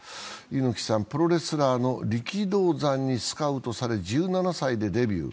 猪木さんはプロレスラーの力道山にスカウトされ、１７歳でデビュー。